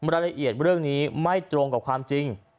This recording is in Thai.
รายละเอียดเรื่องนี้ไม่ตรงกับความจริง